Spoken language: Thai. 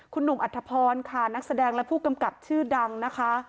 คุณหนุ่มอัธพรค่ะนักแสดงและผู้กำกับชื่อดังนะคะ